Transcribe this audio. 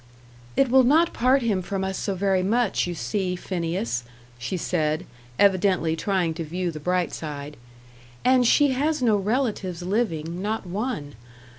"It will not part him from us so very much, you see, Phineas," she said, evidently trying to view the bright side "and she has no relatives living not one.